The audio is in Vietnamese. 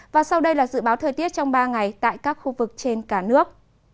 và sau đây là dự báo thời tiết trong ba ngày tại các khu vực trên cả nước